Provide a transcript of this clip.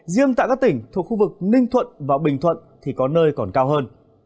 riêng tại các tỉnh thuộc khu vực ninh thuận và bình thuận thì có nơi còn cao hơn